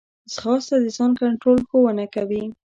ځغاسته د ځان کنټرول ښوونه کوي